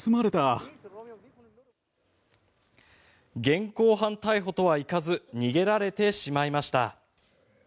現行犯逮捕とはいかず逃げられてしまいました。